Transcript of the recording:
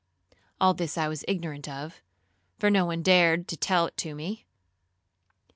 All this I was ignorant of, for no one dared to tell it to me.